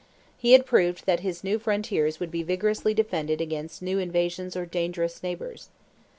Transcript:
He had proved that his new frontiers would be vigorously defended against new invasions or dangerous neighbors.